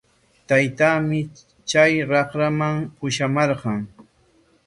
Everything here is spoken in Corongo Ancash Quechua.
Taytaami chay raqraman pushamarqan.